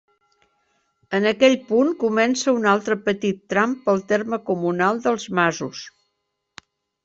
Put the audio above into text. En aquell punt comença un altre petit tram pel terme comunal dels Masos.